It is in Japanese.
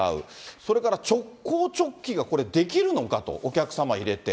それから直行直帰がこれ、できるのかと、お客様入れて。